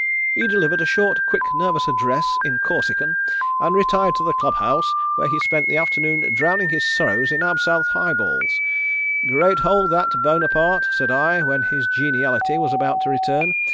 _] "He delivered a short, quick nervous address in Corsican and retired to the club house where he spent the afternoon drowning his sorrows in Absinthe high balls. 'Great hole that, Bonaparte,' said I when his geniality was about to return.